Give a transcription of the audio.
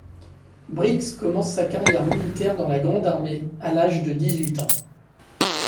Brixhe commence sa carrière militaire dans la Grande Armée, à l'âge de dix-huit ans.